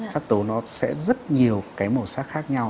sắc tố nó sẽ rất nhiều cái màu sắc khác nhau